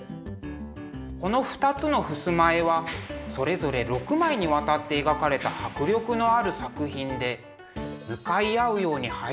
この２つの襖絵はそれぞれ６枚にわたって描かれた迫力のある作品で向かい合うように配置されていました。